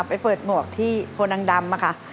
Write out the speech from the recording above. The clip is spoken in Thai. ไปเปิดหมวกที่โพนังดำค่ะ